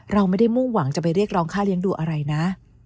เราไม่ได้มุ่งหวังจะไปเรียกร้องค่าเลี้ยงดูอะไรนะ